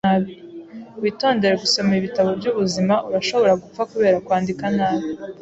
Witondere gusoma ibitabo byubuzima. Urashobora gupfa kubera kwandika nabi.